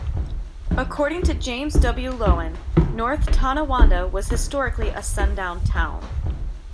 According to James W. Loewen, North Tonawanda was historically a sundown town.